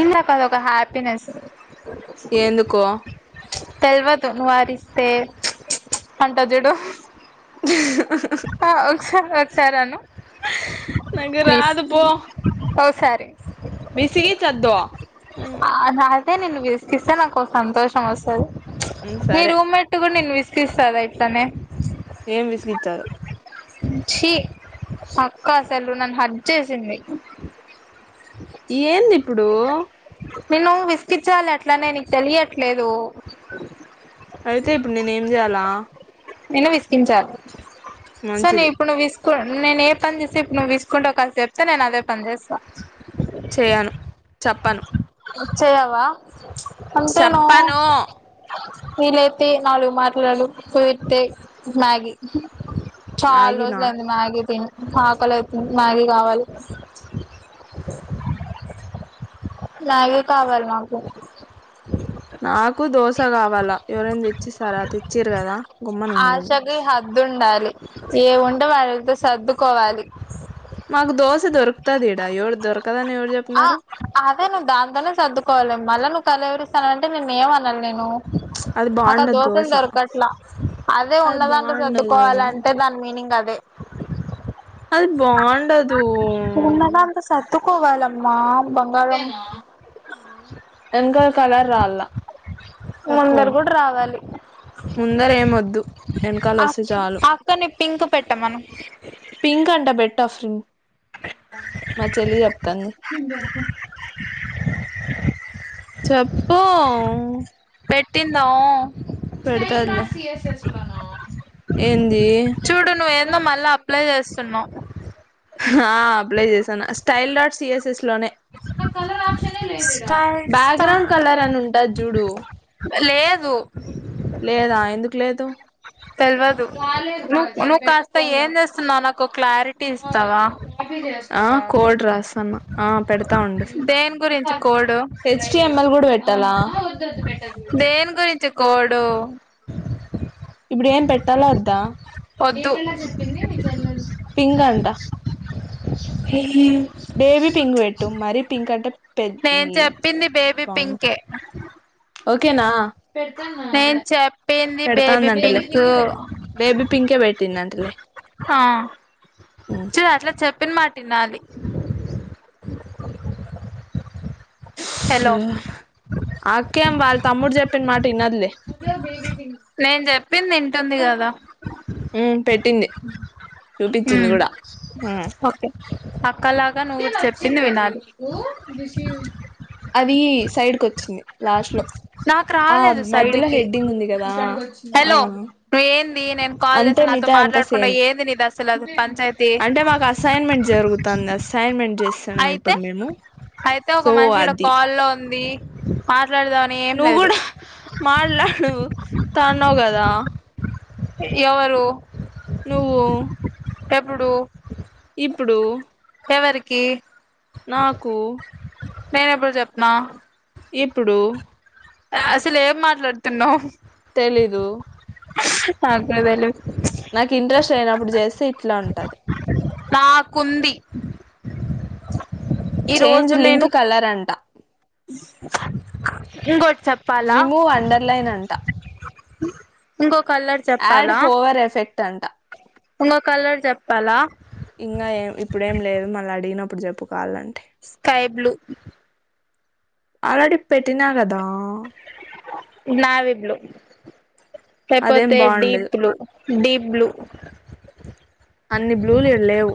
ఇందాక అదొక హ్యాపీనెస్ ఎందుకు [unintelligible] తెల్వదు నువ్వు అరిస్తే చ్ చ్అంట చుడు ఆ [inaudible] సరే అను నాకు రాదు పో సరే విసిగి చద్దు ఆ నా తే ననిన్ను విసిగిస్తే నాకు ఒ సంతోషం వస్తది సరే నిరూమెట్టు కూడా నిన్న విస్ గిస్తద ఇట్లనే ఏం విసిగిచ్చారు చీ అక్క అసలు నన్ను హట్‌ చేసింది ఏంది ఇప్ ప్పుడు నిన్ను విసిగిచ్చాలే అట్లనే నీకు తెలియట్లేదు అయితే ఇప్పుడు నేను ఏం చేయ్యాలా నేను విసిగించాలి సరే మంచిది ఇప్పుడు నువు విస్ నేను ఏ పని చేస్తే ఇప్పుడు నువ్వు విసుకుంటవు క్క చెప్తే నేను అదే పని చేస్తా చేయను చెప్పను చెయావా అంతే నా చెప్పను వీలైతే నాలుగు మాటలు కుదిరితె మ్యాగీ మ్యాగీనా చాల్‌రోజులు అయింది మ్యాగీ తిని ఆకలి అయితుంది మ్యాగీ కావాలి అలాగే కావాలి నాకు నాకు దోశ కావాలా ఎవరైనా తెచ్చిస్తారా తెచ్చియరు కదా. గుమ్మన ఉండు ఇంగ ర్దుండాలి ఏముంటే వాటితో సర్దుకోవాలి మాకు దోస దొరకతాది ఇడా ఎవరు దొరక ఆ అదే నువ్వు దాంతోనే సర్దుకోవాలి. మళ్ళా నువ్వు కలవరి ఇస్తన అంటే మేం ఏమనాలి నిన్ను అది అక్క బాగుండదు దోశలు దోశ దొరకట్లా అదే అది ఉన్నదాంట్లో బాగుండదు సర్దుకోవాలంటే దాని మీనింగ్ అదే [inaudible] అది బాగుండదు ఉన్నదా అనిపిస్తే అక్క కోవాలమ్మా ఇదేనా మ్మ్ ఏం కాదు కలర్ రాల్ల ఓనర్ కూడా రావాలి ముందరేం వద్దు ఆ అక్కని పింక్ పెట్టమను ట వస్తున్ మా చెల్లి జెప్తాంది చెప్పు పెట్టిందా. పెడతాడు. లే అట్లనా చూడు నువ్వు. ఏందో మళ్ళా అప్లై చేస్తున్నావ్ ఆ అప్లై చేసాను. స్టైల్డ్ ఆర్ట్ సిఎస్ఎస్ లోనే నా కలర్ ఆప్షన్ లేదు ఇడా స్టైల్ స్టార్ బ్యాక్గ్రౌండ్ కలర్ అని ఉంటది జూడు. లేదు లేదా. ఎందుకు లేదు. తెల్వదు నువ్వు నువ్వు కాస్త ఏం చేస్తున్నావు నాకు క్లారిటీ ఇస్తావా ఆ కోడ్ రాస్తన్న ఆ పెడతా ఆ ఉండు. దేని గురించి కోడు హెచ్టిఎంఎల్ గూడా బెట్టల్ల. ఆ వద్దు వద్దు పెట్టొద్దు. దేని గురించి కోడు ఇబ్బుడు ఏం పె పెట్టాలా వద్దా ఏ వద్దు కలర్ చెప్పింది. మీ చెల్లెలు. పింక్ అంట బేబి పింక్ వెట్టు. మరి పింక్ అంటే పెద్ ఈ నేను చెప్పింది బేబీ బాగుంది పింకే. ఓకేనా నేను చెప్పింది బేబీ పెడతాందంటలే పింకు బేబీ పింకే పెట్టిందంటలే హ ఉమ్ చూడు అట్లా చెప్పిన మాట్ టినాలి ఆక్కేం వాళ్ళ తమ్ముడు జెప్పిన మాట ఇనద్ లే నేను చెప్పింది వింటుంది కదా ఉ పెట్టింది చూపిచ్చింది హ్మ్ గూడ హు ఓకే అక్కలాగా నువ్వు కూడా చెప్పింది వినాలి అది సైడ్ కొచ్చింది లాస్ట్ లో నాకు ఆ రాలేదు మధ్యలో సైడ్కి హెడ్డింగ్ ఉంది గదా హలో నువ్వు ఏంది నేను కాల్ అంతే చేస్తే నాతో మిగతా అంతా మాట్లాడకుండా సేమ్ ఏంది నీది అసలు అది పంచాయతీ అంటే మాకు అసైన్మెంట్ జరుగుతాంది అస్సైన్మెంట్ చేస్ అయితే అయితే ఒక మనిషి ఇడ అది కాల్లో ఉం ఉంది ఆ నువ్వు కూడా మాట్లాడు తాన్నావ్ గదా ఎవరు నువ్వు ఎప్పుడు ఇప్పుడు ఎవరికి నాకు నేను ఎప్పుడు చెప్నా ఇప్పుడు అసలు ఏం మాట్లాడుతున్నావ్ తెలీదు [unintelligible] నాకు ఇంట్రెస్ట్ అయినప్పుడు చేస్తే ఇట్లా ఉంటది నాకుంది ఈ చేంజ్ రోజు లింక్ నేను కలర్ అంట ఇంకోటి చెప్పాలా రిమూవ్ అండర్ లైన్ అంట ఇంకో ఆడ్ హోవర్ ఎఫెక్ట్ తంట ఇంగో కలర్ చెప్పాలా ఇంకా ఏం ఇప్పుడేం లేదు మళ్ళీ అడిగినప్పుడు చెప్పు కావాలంటే స్కై బ్లూ అరడి పెట్టిన కదా నావ ఇడ్లు అదేం లేకపోతే డీప్ బాగుండదు బ్లు డీప్ బ్లూ అన్ని బ్లూలు ఈడ్లేవ్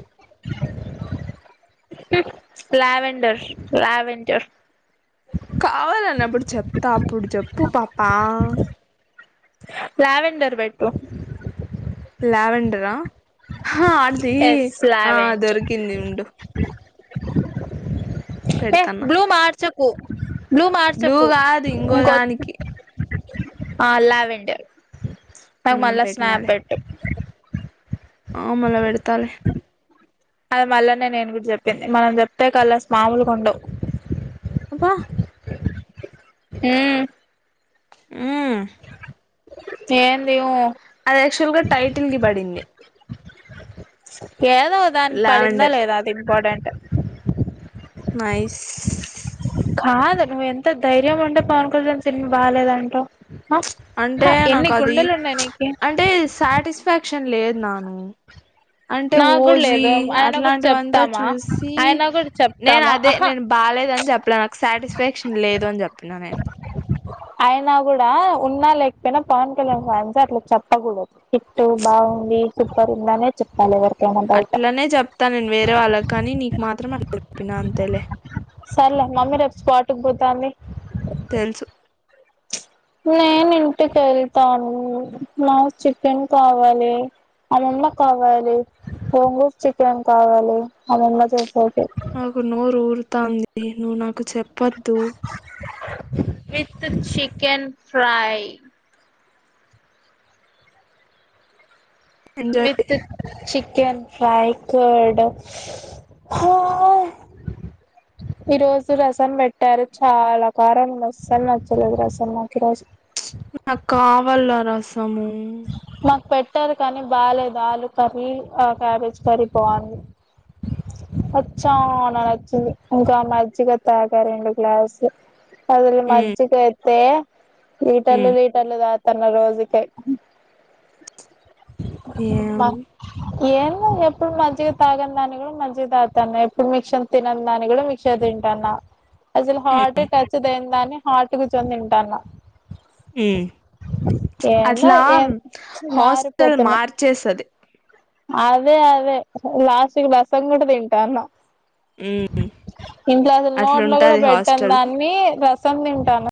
లావెండర్ లావెండర్ కావాలన్నప్పుడు చెప్తా అప్పుడు చెప్పు పాప లావెండర్ పెట్టు లావెండరా హా అంతి ఎస్ ఆ లావెండర్ దొరకింది ఉండు ఏ పెడతాను బ్లూ మార్ట్ చెప్పు బ్లూ మార్చకు కాదు ఇంగో ఇంకొ దానికి ఆ లావెండర్ నాకు ఉమ్ మళ్ళా స్నాప్ పెట్టినాలే పెట్టు ఆ మళ్ళ పెడతాలే అది మళ్ళానే నేను గూడ చెప్పి మనం చెప్తే కలర్స్ మాముల్గ్ ఉండవ్ అబ్బా ఉమ్ ఉమ్ ఏన్ందివు అది యాక్చువల్ గా టైటిల్ కి బడింది ఏదో ఒ దానికి పడిందా లావెండర్ లేదా అది ఇంపాటెంట్ నైస్ కాదు నువ్వు ఎంత ధైర్యం ఉంటే పవన్ కళ్యాణ్ సినిమా బాలేదంటవ్ అంటే నాకు అది ఉన్నాయి మ్చ నీకి అంటే సాటిస్ఫాక్షన్ లేదు నాకు అంటే నాకు కూడా ఓజీ లేదు ఆయన కూడా అట్లాంటివంతా చెప్తామా చూసి ఆయన కూడా నేను చెప్తామా అదే ఆహా నేను బాలేదని చెప్పాలే నాకు సాటిస్ఫాక్షన్ లేదు అని చెప్పిన నేను అయనా కూడా ఉన్నా లేకపోయినా పవన్ కళ్యాణ్ ఫ్యాన్స్ అట్లా చెప్పకూడదు హిట్ బాగుంది సూపర్ ఉంద అనే చె పాలే వర్ అట్లనే చెప్తా నేను వేరే వాళ్ళకు కానీ నీకు మాత్రం అట్ల చెప్పిన అంతేలే టుబోతంది తెలుసు నేను ఇంటికి వెళ్తాను నాకు చికెన్ కావాలి అమ్మమ్మ కావాలి గోంగూర్ చికెన్ కావాలి అమ్మమ్మ చేసేది నాకు నోరు ఊరుతాంది ను నాకు నాకు చెప్పద్దు with chicken fry enjoy with chicken fry curd హా ఈరోజు రసం పెట్టారు చాలా కారంఉంది అసలు నచ్చలేదు రసం నాకు ఈరోజు నాకు కావాల్ల అ రాస్ సమూ పట్టదు కానీ బాలేదు ఆలు కర్రీ ఆ క్యాబేజ్ కర్రీ బాగుంది అది చాల్ నచ్చింది ఇంకా మజ్జిగ తాగ రెండు గ్లాసు అసలు ఉమ్ మజ్జిగయితే లీటలు ఉమ్ లీటళ్లు తాగుతా రా రోజుకి మాకు ఏవుంది ఏమో ఎప్పుడు మజ్జిగ తాగని దాని కూడా మజ్జిగ తాగుతున్న ఎప్పుడు మిక్సర్ తినను దాని కూడా మిక్సర్ తింటున్న అసలు హాట్ టచ్ త దాన్ని హాట్ కూర్చొని తింటన్నా ఉమ్ అది ఏందో ఇట్లా ఏం హాస్టల్ మారిపోతున్నా మార్చేసది అదే అదే లాస్ట్కి రసం కూడా తింటన్నా ఉమ్ ఇంట్లో అసలు నోట్లో కూడా అట్లుంటది పెట్టను హాస్టల్ దాన్ని రసం తింటాన్న